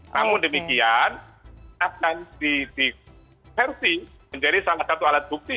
namun demikian akan diversi menjadi salah satu alat bukti